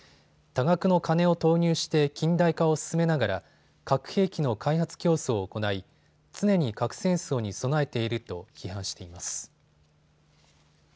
多額の金を投入して近代化を進めながら核兵器の開発競争を行い常に核戦争に備えていると批判しています。